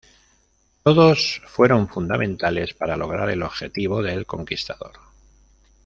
Todos fueron fundamentales para lograr el objetivo del Conquistador.